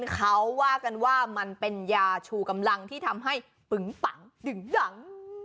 เขาว่ากันว่ามันเป็นยาชูกำลังที่ทำให้ปึงปังดึงดัง